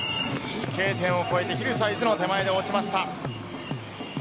Ｋ点を越えて、ヒルサイズの手前で落ちました。